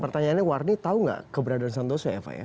pertanyaannya warni tahu nggak keberadaan santoso ya fai